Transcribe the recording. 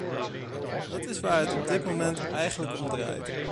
Dat is waar het op dit moment eigenlijk om draait.